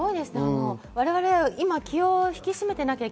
我々は今、気を引き締めてい